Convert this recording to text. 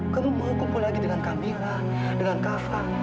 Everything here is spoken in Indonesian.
kamu mau kumpul lagi dengan kamila dengan kafa